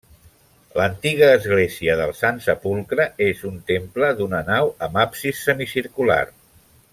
L'antiga església del Sant Sepulcre és un temple d'una nau amb absis semicircular.